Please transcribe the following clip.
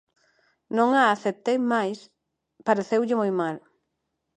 Non a aceptei mais pareceulle moi mal.